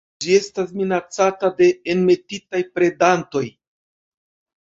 Ĝi estas minacata de enmetitaj predantoj.